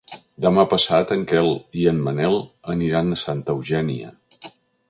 Demà passat en Quel i en Manel aniran a Santa Eugènia.